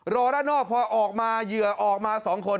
รอด้านนอกพอออกมาเหยื่อออกมา๒คน